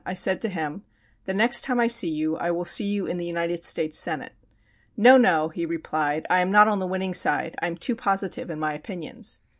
I said to him: "The next time I see you, I will see you in the United States Senate." "No, no," he replied, "I am not on the winning side. I am too positive in my opinions."